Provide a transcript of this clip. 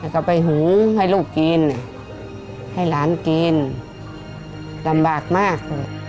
แล้วก็ไปหูให้ลูกกินให้หลานกินลำบากมาก